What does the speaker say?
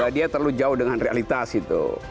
karena dia terlalu jauh dengan realitas gitu